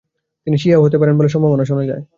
তিনি শিয়া হতেও পারেন বলে সম্ভাবনা শোনা যায়।